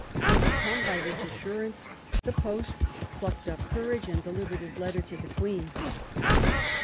Overcome by this assurance, the post plucked up courage and delivered his letter to the Queen.